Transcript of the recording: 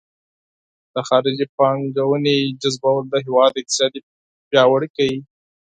د خارجي پانګونې جذبول د هیواد اقتصاد پیاوړی کوي.